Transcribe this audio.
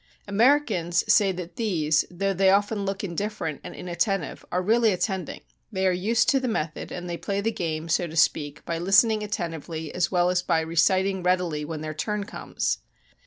Americans say that these, though they often look indifferent and inattentive, are really attending; they are used to the method and they play the game, so to speak, by listening attentively as well as by reciting readily when their turn comes.